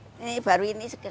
ini baru ini seger